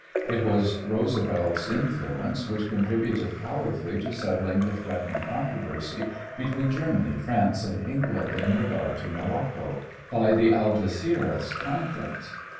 It was Roosevelt's influence which contributed powerfully to settling the threatening controversy between Germany, France, and England in regard to Morocco, by the Algeciras conference.